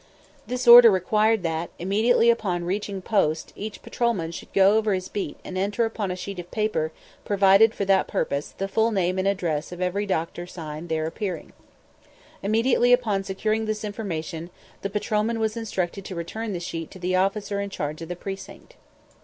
This order required that, immediately upon reaching post, each patrolman should go over his beat and enter upon a sheet of paper, provided for that purpose, the full name and address of every doctor sign there appearing. Immediately upon securing this information, the patrolman was instructed to return the sheet to the officer in charge of the precinct.